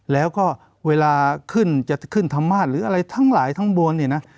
แล้วก็เวลาจะขึ้นธรรมาศหรืออะไรทั้งหลายทั้งบน